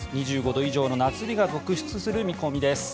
２５度以上の夏日が続出する見込みです。